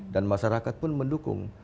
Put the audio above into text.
dan masyarakat pun mendukung